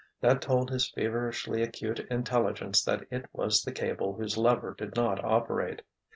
That told his feverishly acute intelligence that it was the cable whose lever did not operate.